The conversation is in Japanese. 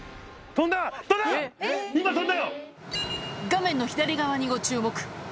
今、飛んだ画面の左側にご注目。